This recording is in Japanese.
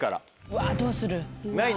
うわどうする？